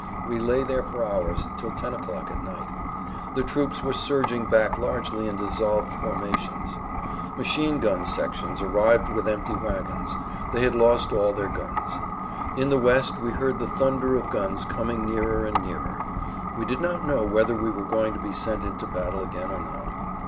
We lay there for hours, till ten o'clock at night. The troops were surging back largely in dissolved formations. Machine gun sections arrived with empty wagons; they had lost all their guns. In the west we heard the thunder of guns coming nearer and nearer.[Pg 115] We did not know whether we were going to be sent into battle again or not.